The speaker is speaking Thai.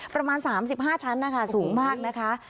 ประมาณ๓๕ชั้นนะคะสูงมากนะคะ